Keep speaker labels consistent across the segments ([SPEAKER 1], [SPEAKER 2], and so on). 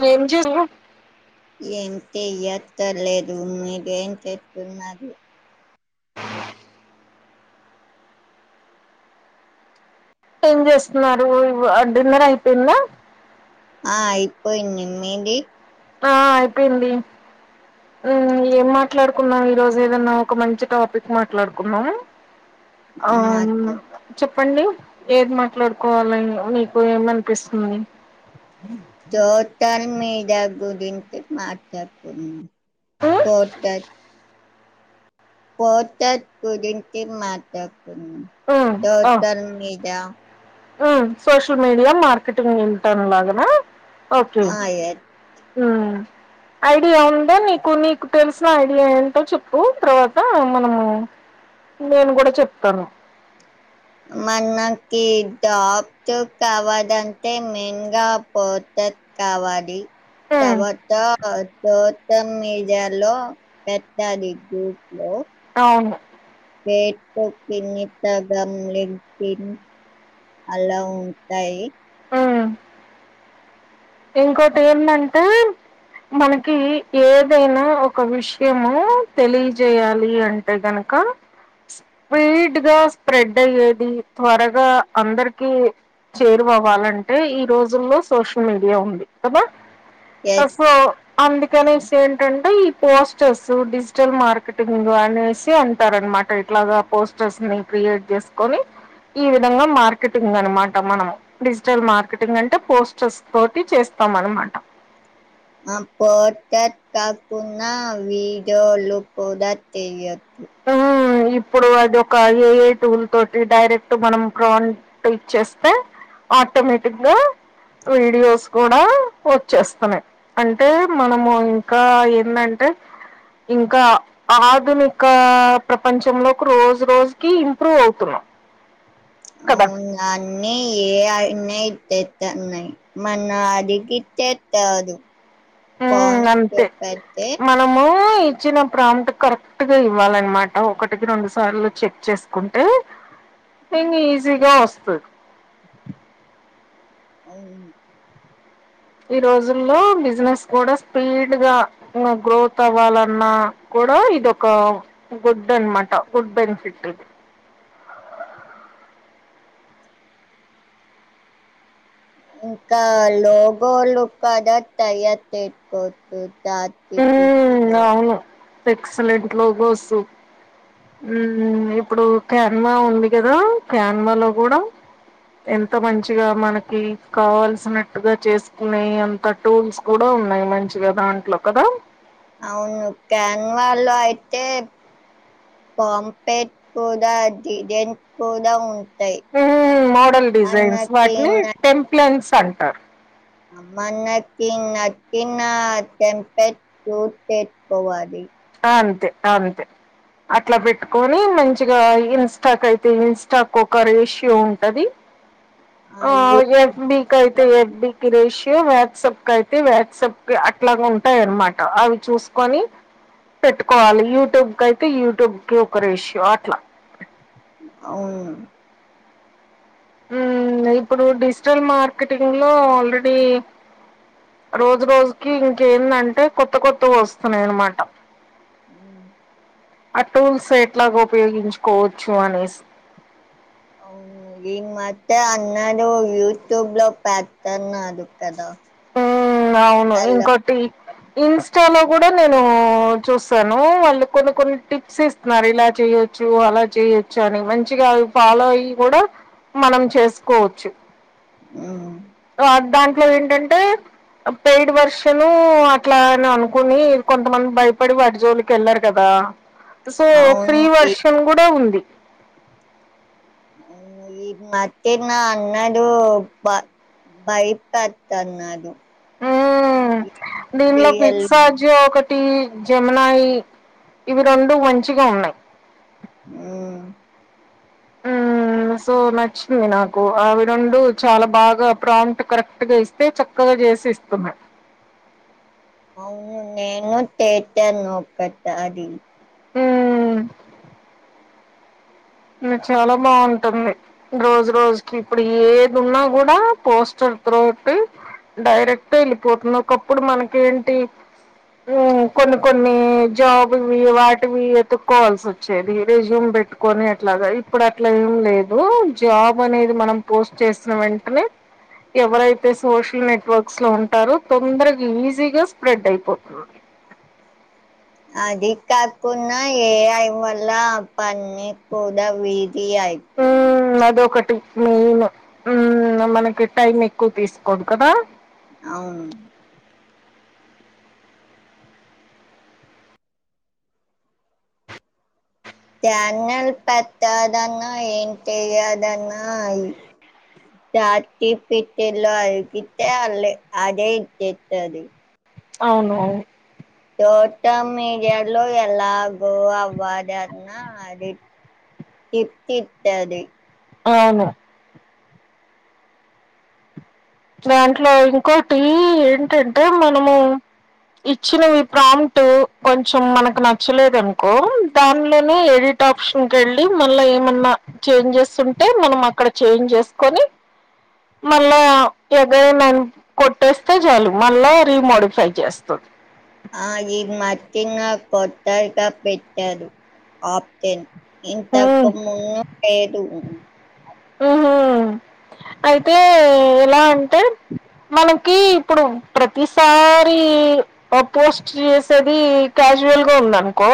[SPEAKER 1] నువ్వు ఎంజేస్తావ్
[SPEAKER 2] చెయత్తలేదు మీరేం చెతున్నారు
[SPEAKER 1] [inaudible] ఏం చేస్తున్నారు డిన్నర్ అయిపెందా
[SPEAKER 2] ఆ ఐపోయింది మీది
[SPEAKER 1] ఆ అయిపేంది ఏం మాట్లాడుకున్నాం ఈ రోజు ఏదన్నా ఒక మంచి టాపిక్ మాట్లాడుకున్నాం అవును
[SPEAKER 2] మాతో
[SPEAKER 1] చెప్ చెప్పండి ఏది మాట్లాడుకోవాలే మీకు ఏమనిపిస్తుంది
[SPEAKER 2] సోషల్ మీడియా గురించి మాట్లాడుకుందాం పోడ్కా పోడ్కాస్ట్ గురించి మాట
[SPEAKER 1] ఉమ్
[SPEAKER 2] సోషల్ మీడియా
[SPEAKER 1] ఆ సోషల్ మీడియా మార్కెటింగ్ ఇంటర్న్ల్లాగానా
[SPEAKER 2] వాయే
[SPEAKER 1] ఉ ఐడియా ఉందా నీకు నీకు తెలిసిన ఐడియా ఏంటో చెప్పు తర్వాత మనము నేను కూడా చెప్తాను
[SPEAKER 2] మనకి తెలియని జాన్స్ కావలాంటె మెన్గా పోత కావాడి
[SPEAKER 1] ఉమ్
[SPEAKER 2] తవాత మొత్తం మీడియా లో గ్రూప్ లో
[SPEAKER 1] అవును
[SPEAKER 2] ఎక్కొ తిని తాగం లేపిన్ అలా ఉంటాయి
[SPEAKER 1] ఉమ్ ఇంకోటి ఏందంటే మనకి ఏదైనా ఒక విషయము తెలియజేయాలి అంటే గన క్క స్పీడ్గా స్ప్రెడ్ అయ్యేది త్వరగా అందరికి చేరువవ్వాలంటే ఈ రోజుల్లో సోషల్ మీడియా దే ఉంది కదా
[SPEAKER 2] ఎత్
[SPEAKER 1] సో అందుకనేసి ఏంటంటే పోస్టర్స్ డిజిటల్ మార్కెటింగ్ అనేసి అంటారు అనమాట ఇట్లాగా పోస్టర్స్ ని క్రియేట్ చేసుకొని ఈ విధంగా మార్కెటింగ్ అనమాట మనం డిజిటల్ మార్కెటింగ్ అంటే పోస్టర్స్ పోటీ చేస్తాం అనమాట
[SPEAKER 2] ఆ పోస్టర్స్ కాకున్న విడియోలు కూడా చేయ అహ
[SPEAKER 1] హ్మ్. ఇప్పుడు అది ఒక ఏఐ టూల్ తోటి డైరెక్ట్ మనం ప్రాంట్ ఇచ్చేస్తే ఆటోమేటిక్గా వీడియోస్ కూడా వచ్చేస్తున్నాయి అంటే మనము ఇంకా ఏందాంటే ఇంకా ఆధుని క ప్రపంచం లోకి రోజు రోజుకి ఇంప్రూవ్ అవుతున్నాం కదా!
[SPEAKER 2] అవును అన్ని ఎఐ నే చే తన్నాయి ఏమన్న అడిగితే చాదు
[SPEAKER 1] ఉ అంతే మనము ఇచ్చిన ప్రాంప్ట్ కరెక్ట్గా ఇవ్వాలన్నమాట ఒకటికి రెండు సార్లు చెక్ చేసుకుంటే నిన్ను ఈజీగా వస్తది
[SPEAKER 2] అవును
[SPEAKER 1] ఈ రోజుల్లో బిజినెస్ కూడా స్పీడ్ గా గ్రోత్ అవ్వాలన్నా కూడా ఇదొక గుడ్ అనమాట గుడ్ బెనిఫిట్ ఇది
[SPEAKER 2] ఇంకా లోగోలు కదా తయారు చేసుకోవచ్చు రాత్రి ఫ్రీజ్
[SPEAKER 1] ఉమ్
[SPEAKER 2] లో
[SPEAKER 1] అవును ఎక్సలెంట్ లోగోసు మ్ ఇప్పుడు క్యాన్మా ఉంది కదా క్యాన్మాలో కూడా ఎంత మంచిగా మనకి కావాల్సినట్టుగా చేసుకునే అంత టూల్స్ కూడా ఉన్నాయి మంచిగా దాంట్లో కదా
[SPEAKER 2] అవును క్యాన్ వాలో అయితే కాంపెట్ కూడాద డెంట్ కూడా ఉన్
[SPEAKER 1] ఎ మోడల్ డిజైన్స్ వాటిని
[SPEAKER 2] న
[SPEAKER 1] టెంప్లన్స్ అంటారు
[SPEAKER 2] మనకి నచ్చిన టెంప్లన్స్ చుస్ చేసుకోవాలి
[SPEAKER 1] అంతే అంతే అట్లా పెట్టుకొని మంచిగా ఇన్స్టాక్ అయితే ఇన్స్టాక్ ఒక రేష్యయో ఉంటది ఆ
[SPEAKER 2] అయ్యో
[SPEAKER 1] ఎఫ్ బికైతే ఎఫ్ బి కి రేశియో వ్యాట్సబ్క అయితే వ్యాట్సప్కి అట్లాగా ఉంటాయి అనమాట అవి చూసుకొని పెట్టుకోవాలి యూట్యూబ్ కైతే యూట్యూబ్ కి ఒక రేషియో అట్లా
[SPEAKER 2] అవును
[SPEAKER 1] మ్ ఇప్పుడు డిజిటల్ మార్కెటింగ్ లో ఆల్రెడీ రోజు రోజుకి ఇంకేందంటే కొత్త కొత్తవోస్తున్నాయనమాట
[SPEAKER 2] అహ
[SPEAKER 1] ఆ టూల్స్ ఎట్లాగ ఉపయోగించుకోవచ్చు అనేసి
[SPEAKER 2] అవును ఈ మధ్య అందరు యూట్యూబ్ లో పెడుతున్నారు కదా
[SPEAKER 1] అవును
[SPEAKER 2] అలా
[SPEAKER 1] ఇంకోొటి ఇన్స్టాలో కూడా నేను చూస్తాను వాళ్ళు కొన్ని కొన్ని టిప్స్ ఇస్తున్నారు ఇలా చేయొచ్చు అలా చే యోచ్చు అని మంచిగా ఫాలో అయ్యి కూడా మనం చేసుకోవచ్చు
[SPEAKER 2] మ్
[SPEAKER 1] వ దాంట్లో ఏంటంటే పెయిడ్ వర్షను అట్లా అని అనుకుని కొంతమంది భయపడి వాటి జోలికి వెళ్లారు కదా సో
[SPEAKER 2] అవును
[SPEAKER 1] ఫ్రీ
[SPEAKER 2] ఈ
[SPEAKER 1] వర్షన్ కూడా ఉంది
[SPEAKER 2] అవును ఇ మధ్యన అందరు బ భయపడుతున్నారు
[SPEAKER 1] మ్ దింట్లో
[SPEAKER 2] సీరియల్
[SPEAKER 1] పిక్సఅజ్జు ఒకటి జెమినై ఇవి రెండు మంచిగా ఉన్నాయి
[SPEAKER 2] మ్ [inaudible]
[SPEAKER 1] హ్మ్ సో నచ్చింది నాకు అవి రెండు చాలా బాగా ప్రాంట్ కరెక్ట్ గా ఇస్తే చక్కగ చేసి ఇస్తున్నాయ్
[SPEAKER 2] అవును చేతను ఒకసారి
[SPEAKER 1] మ్ అది చాలా బాగుంటుంది రోజు రోజుకి ఇప్పుడు ఏది ఉన్నా కూడా పోస్టర్ త్రోట్ డైరెక్ట్ వెళ్ళిపోతుంది ఒకప్పుడు మనకేంటి కొన్ని కొన్ని జాబ్ వి వాటివి వెతుక్కోవాల్సి వచ్చేది రెజ్యూమ్ పెట్టుకొని అట్లాగా ఇప్పుడు అట్లా ఏం లేదు జాబ్ అనేది మనం పోస్ట్ చేసిన వెంటనే ఎవరైతే సోషల్ నెట్వర్క్స్ లో ఉంటారో తొందరగా ఈజీగా స్ప్రెడ్ అయిపోతుంది
[SPEAKER 2] [inaudible] అది కాకున్నా ఏఐవల్ల పని కూడా వీ కి చేయిపోయింది
[SPEAKER 1] మ్మ్ అదొకటి మెయిన్ మ్ మనకి టైం ఎక్కువ తీసుకోదు కదా
[SPEAKER 2] అవును ప్యానల్ పట్టాదన్న ఎయిన్ట్యదన్నయి జాతి పెట్టెలో అయిగితే ఆళ్ళె అదే ఇది
[SPEAKER 1] అవును
[SPEAKER 2] సోషల్ మీడియాలో ఎలాగో అవ్వదన్న అడిట్ గిప్ట్ ఇత్తది
[SPEAKER 1] అవును దాంట్లో ఇంకోటి ఏంటంటే మనము ఇచ్చినవి ప్రామ్ట్ కొంచం మనకు నచ్చలేదు అనుకో దానిలోనే ఎడిట్ ట్ ఆప్షన్ వెళ్ళి మళ్ళ ఏమన్నా చేంజెస్ ఉంటే మనం అక్కడ చేంజ్ చేసుకొని మళ్ళా ఎగర నన్ కొట్టేస్తే చాలు మళ్ళా రీమోడిఫై చేస్తుంది
[SPEAKER 2] ఆ ఇది మర్షింగ్ కొత్తగా పెట్టారు ఆప్షన్
[SPEAKER 1] ఉమ్.
[SPEAKER 2] ఇంతకు ముందు లేదు
[SPEAKER 1] ఉహు అయితే ఎలా అంటే మనం ప్రతిసారి పోస్ట్ చేసేది క్యాజువల్గా ఉందనుకో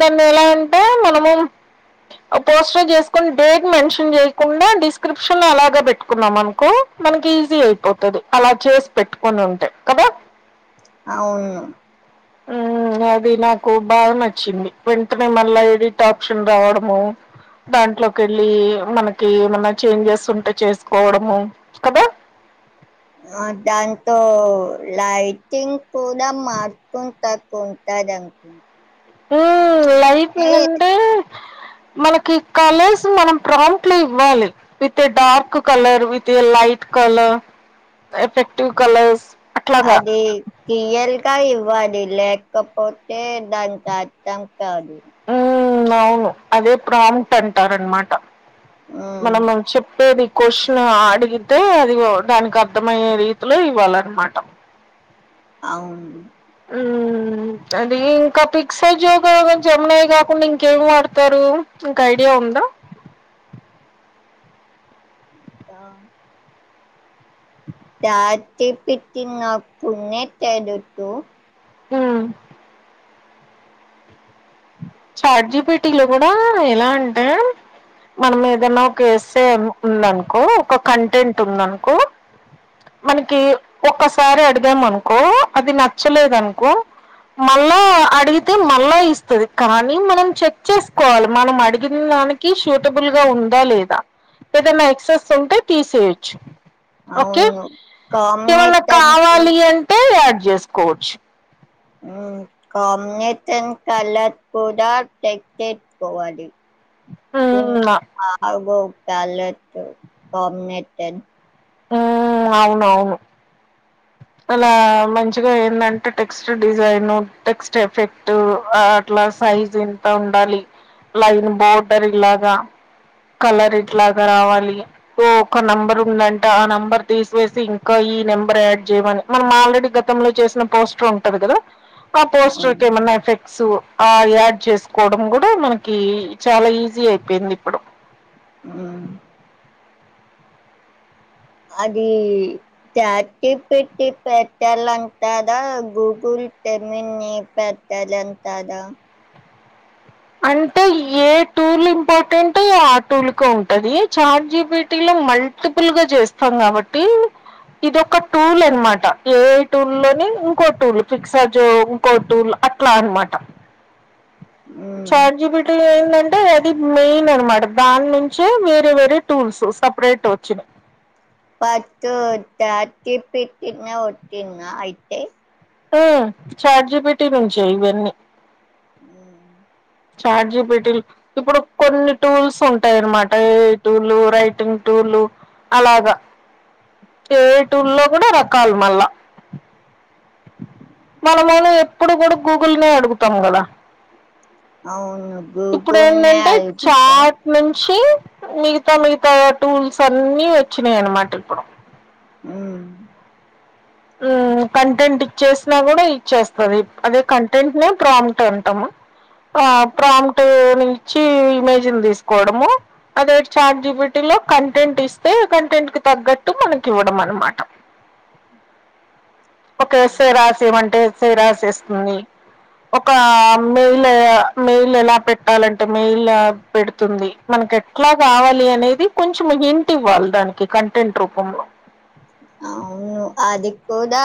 [SPEAKER 1] దాన్ని ఎలా అంటే మనము పోస్టర్ చేసుకుొని డేట్ మెన్షన్ చే కుండా డిస్క్రిప్షన్ లో అలాగ పెట్టుకున్నాం అనుకో మనకి ఈజీ అయిపోతుంది అలా చేసి పెట్టుకుని పెట్టుకుంటె కదా
[SPEAKER 2] అవును
[SPEAKER 1] ఉమ్, అది నాకు బాగ నచ్చింది వెంటనే మళ్ళా ఎడిట్ ఆప్షన్ రావడము దాంట్లో కెళ్ళి మనకి ఏమన్న చేంజెస్ ఉంటే చేసుకోవడము కదా
[SPEAKER 2] ఆ దాంతో లైటింగ్ కూడ మార్కుని తకుంట కదా
[SPEAKER 1] ఉమ్ లైకులు అంటే మనకి కలర్స్ మనం ప్రాంట్లో ఇవ్వాలి with a dark colour with a light colour effective colours. అట్లాగా
[SPEAKER 2] అది రియల్ అంత ఇవ్వాలి లేకపోతే దాని ద
[SPEAKER 1] హ్మ్ అవును అదే ప్రాంప్ట్ అంటారనమాట
[SPEAKER 2] ఉమ్
[SPEAKER 1] మనము చెప్పేది కోషన్ అడిగితే అది దానికి అర్థమయ్యే రీతిలో ఇవ్వాలన్నమాట
[SPEAKER 2] అవును
[SPEAKER 1] ఉమ్ అది ఇంకా పిక్ సైజు జయినయి కాకుండా ఇంకేమి వాడతారు ఇంకా ఐడియా ఉంది ఉందా
[SPEAKER 2] ఆ దాటి పెట్టినకునేే తెడుతూ
[SPEAKER 1] ఉమ్ చాట్ జిపిటి లో కూడ ఎలా అంటే మనం ఏదనా ఒక ఎస్సే ఉందనుకో ఒక కంటెంట్ ఉందనుకో మనకి ఒకసారి అడిగామనుకో అది నచ్చలేదనుకో మళ్ళా అడిగితే మళ్ళా ఇస్తది కానీ మనం చెక్ చేసుకోవాలి మనం అడిగిన్ దానికి ష్యూటబుల్ గా ఉందా లేదా ఏదైన ఎక్సెస్ ఉంటే తీసేయొచ్చు ఓకే
[SPEAKER 2] అవును
[SPEAKER 1] ఏమన్నా
[SPEAKER 2] కాంబినేషన్ తో
[SPEAKER 1] కావాలి అంటే యాడ్ చేసుకోవచ్చు
[SPEAKER 2] ఉమ్ కాంబినేషన్ కలర్ కూడా పెట్టి యేసు కోవాలి ఒ
[SPEAKER 1] హ్మ్. ఆ!
[SPEAKER 2] [unintelligible] కాంబినేషన్
[SPEAKER 1] హ అవును అవును అలా మంచిగా ఏందంటే టెక్స్ట్ డిజైన్ టెక్స్ట్ ఎఫెక్ట్ అట్లా సైజ్ ఎంత ఉండాలి లైన్ బోర్డర్ ఇలాగా కలర్ ఇట్లాగా రావాలి ఓ ఒక నెంబర్ ఉందండి ఆ నెంబర్ తీసివేసి ఇంకా ఈ నెంబర్ యాడ్ చేయమని మనం ఆల్రెడీ గతంలో చేసిన పోస్టర్ ఉంటది ఆ పోస్టర్ ఏమన్నా ఎఫెక్ట్స్ ఆ యాడ్ చేసుకోవడం కూడా మనకి చాలా ఈజీ అయిపోయింది ఇప్పుడు
[SPEAKER 2] హుమ్ అది చాటి పెట్టి పెట్టాల అంటదా గూగుల్ టేమిని పె తెలంతద [inaudible]
[SPEAKER 1] అంటే ఏ టూల్ ఇంపార్టెంట్ ఆ టూల్ కు ఉంటది చార్ జీబిటీ లో మల్టిపుల్ గా చేస్తాం కాబట్టి ఇదిొక టూల్ అనమాట ఏ టూల్ లోని ఇంకో టూల్ ఫిక్స్ార్జ్ ఇంకో టూల్ అట్లా అనమాట
[SPEAKER 2] మ్మ్
[SPEAKER 1] చాట్ జీపీటీ ఏందంటే అది మెయిన్ అనమాట దాని నుంచే వేరే వేరే టూల్స్ సపరేట్ వచ్చినాయి
[SPEAKER 2] పతు ఉద్ద తిప్పిటిన్న ఒటిన్న అయితే
[SPEAKER 1] ఆ చార్జీపిటీ నుంచే ఇవన్నీ
[SPEAKER 2] హుమ్
[SPEAKER 1] చాట్ జి పి టి ఇప్పుడు కొన్ని టూల్స్ ఉంటాయన్నమాట ఏ టూల్ రైటింగ్ టూల్ అలాగా ఏటూలో కూడా రకాలు మళ్ళా మనమైనా ఎప్పుడు కూడా గూగుల్నే అడుగుతాం కదా
[SPEAKER 2] అవును
[SPEAKER 1] ఇప్పుడు
[SPEAKER 2] గూగుల్నే
[SPEAKER 1] ఏంటంటే
[SPEAKER 2] అడుగుతాం
[SPEAKER 1] చాట్ నుంచి మితా మితా టూల్స్ అన్న వచ్చిన అన మాటప్పుడ
[SPEAKER 2] అ
[SPEAKER 1] కంటెంట్ ఇచ్చేసినా కూడా ఇచ్చేస్తుది అదే కంటెంట్ నే ప్రామ్ట్ అంటాము
[SPEAKER 2] [inaudible]
[SPEAKER 1] ఆ
[SPEAKER 2] మ్మ్
[SPEAKER 1] ప్రామ్ట్ ని ఇచ్చి ఇమేజ్ ని తీసుకోవడము అదే చాట్ జీపీటీ లో కంటెంట్ ఇస్తే కంటెంట్ కి తగ్గట్టు మనకి ఇవ్వడం అనమాట
[SPEAKER 2] అ
[SPEAKER 1] ఒక ఎసై రాసి ఏమంటే ఎస్సై రాసిేస్తుంది ఒక మెయిల్ మెయిల్ ఎలా పెట్టాలంటే మెయిల్ పెడుతుంది మన మ ఎట్లా కావాలి అనేది కొంచెం ఏంటి ఇవ్వాలి దానికి కంటెంట్ రూపంలో
[SPEAKER 2] అ అవును అది కూడా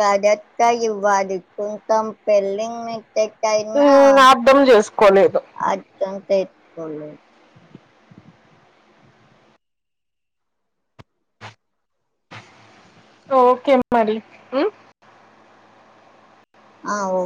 [SPEAKER 2] కడట్క ఇవ్వది కొంచెం పెళ్లింగ్ ట్యినా
[SPEAKER 1] హ్మ్. అర్థం చేసుకోలేదు.
[SPEAKER 2] అర్ తెట్కోలే [unintelligible]
[SPEAKER 1] ఓకే మరి
[SPEAKER 2] ఆ ఓ